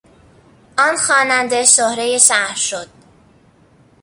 آن خواننده شهرهی شهر شد.